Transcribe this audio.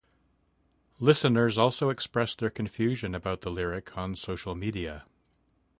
Listeners also expressed their confusion about the lyric on social media.